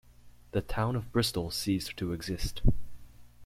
The town of Bristol ceased to exist.